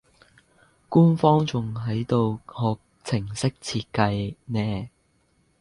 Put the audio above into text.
官方仲喺度學程式設計呢